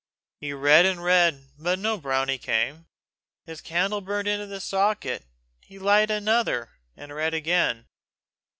He read and read, but no brownie came. His candle burned into the socket. He lighted another, and read again.